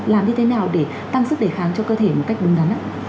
làm như thế nào để tăng sức đề kháng cho cơ thể một cách đúng đắn ạ